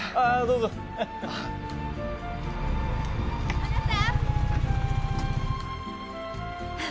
あなた。